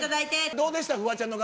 どうでした？